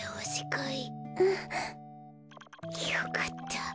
うん。よかった。